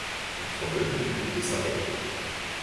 Il promeut le culte de Saint Eric.